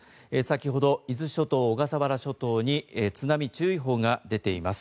先ほど伊豆諸島小笠原諸島に津波注意報が出ています。